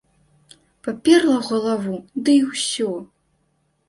Паперла ў галаву, ды і ўсё.